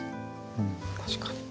うん確かに。